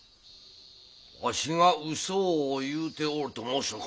わしがうそを言うておると申すのか？